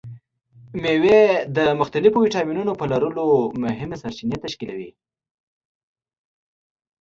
مېوې د مختلفو ویټامینونو په لرلو مهمې سرچینې تشکیلوي.